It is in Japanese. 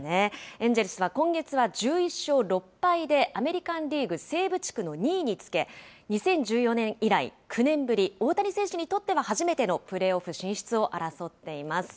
エンジェルスは今月は１１勝６敗でアメリカンリーグ西部地区の２位につけ、２０１４年以来９年ぶり、大谷選手にとっては初めてのプレーオフ進出を争っています。